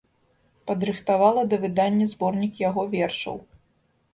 Падрыхтавала да выдання зборнік яго вершаў.